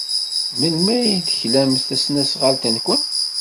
Melmi ay teklamt tasnasɣalt-nwent?